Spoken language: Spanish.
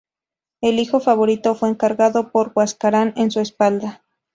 El hijo favorito fue cargado por Huascarán en su espalda.